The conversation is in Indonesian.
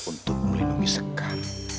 untuk melindungi sekar